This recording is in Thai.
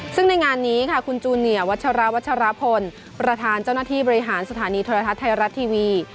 ซึ่งในงานนี้ค่ะคุณจูเนียวัชราวัชรพลประธานเจ้าหน้าที่บริหารสถานีโทรทัศน์ไทยรัฐทีวี